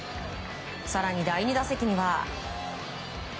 更に第２打席には。